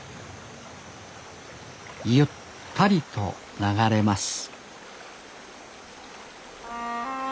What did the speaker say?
ゆったりと流れます